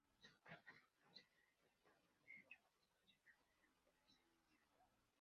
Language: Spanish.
Su obra más famosa es el "Tratado de Derecho Constitucional", de dos ediciones.